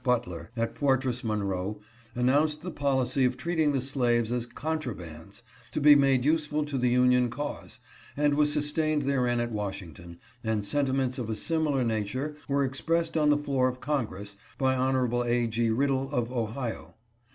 Butler, at Fortress Monroe, announced the policy of treating the slaves as " contrabands," to be made useful to the Union cause, and was sustained therein at Washington, and sentiments of a similar nature were expressed on the floor of Congress by Hon. A. G. Riddle of Ohio.